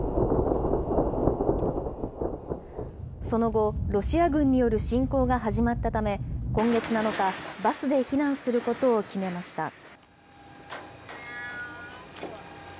その後、ロシア軍による侵攻が始まったため、今月７日、バスで避難することを決めました。